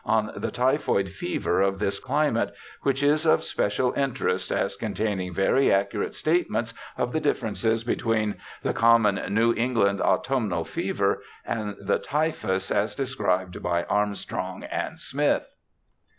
on The Typhoid Fever of this Climate^ which is of special interest as containing very accurate statements of the differences between the common New England autumnal fever and the typhus as de scribed by Armstrong and Smith.